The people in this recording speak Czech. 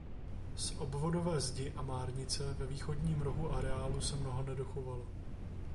Z obvodové zdi a márnice ve východním rohu areálu se mnoho nedochovalo.